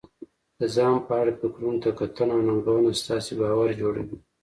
د ځان په اړه فکرونو ته کتنه او ننګونه ستاسې باور جوړوي.